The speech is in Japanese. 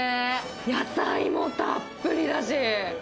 野菜もたっぷりだし